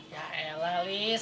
ya elah liz